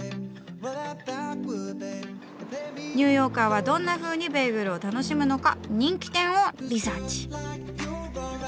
ニューヨーカーはどんなふうにベーグルを楽しむのか人気店をリサーチ。